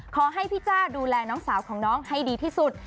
ขอให้พี่จ้าดูแลน้องสาวของน้องให้ดีที่สุด